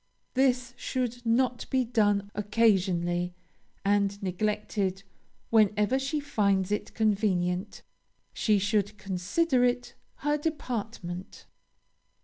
This should not be done occasionally, and neglected whenever she finds it convenient she should consider it her department.